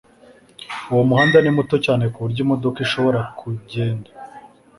Uwo muhanda ni muto cyane kuburyo imodoka ishobora kugenda.